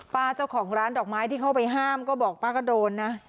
เจ้าของร้านดอกไม้ที่เข้าไปห้ามก็บอกป้าก็โดนนะ